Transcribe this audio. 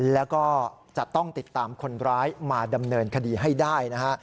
แล้วก็จะต้องติดตามคนร้ายมาดำเนินคดีให้ได้นะฮะ